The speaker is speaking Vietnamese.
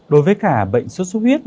đối với cả bệnh số suất huyết